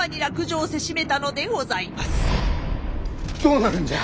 どうなるんじゃ？